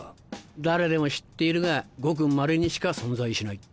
誰でも知っているがごくまれにしか存在しない。